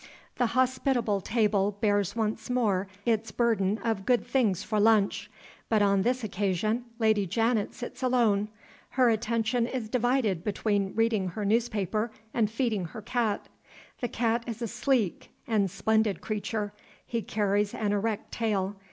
The hospitable table bears once more its burden of good things for lunch. But on this occasion Lady Janet sits alone. Her attention is divided between reading her newspaper and feeding her cat. The cat is a sleek and splendid creature. He carries an erect tail.